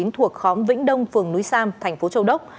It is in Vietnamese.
thuộc khóm vĩnh đông phường núi sam tp châu đốc